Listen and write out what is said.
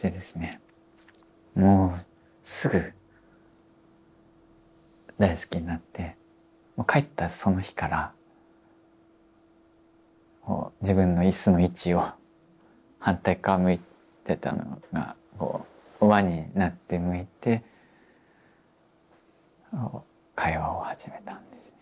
もうすぐ大好きになって帰ったその日から自分の椅子の位置を反対側向いてたのが輪になって向いて会話を始めたんですね。